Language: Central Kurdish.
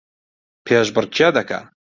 پێشبڕکێ دەکا